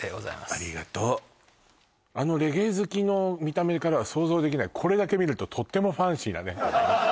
ありがとうあのレゲエ好きの見た目からは想像できないこれだけ見るととってもファンシーだね